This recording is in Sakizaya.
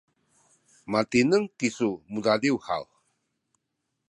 matineng kisu mudadiw haw?